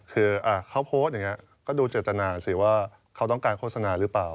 คือเขาโพสต์อย่างนี้ก็ดูเจตนาสิว่าเขาต้องการโฆษณาหรือเปล่า